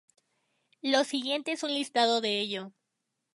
Lo siguiente es un listado de ello.